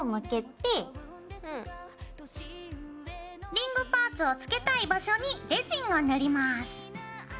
リングパーツを付けたい場所にレジンを塗ります。